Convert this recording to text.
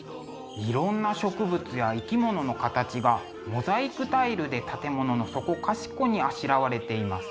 いろんな植物や生き物の形がモザイクタイルで建物のそこかしこにあしらわれています。